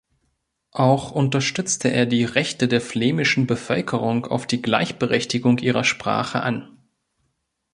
Auch unterstützte er die Rechte der flämischen Bevölkerung auf die Gleichberechtigung ihrer Sprache an.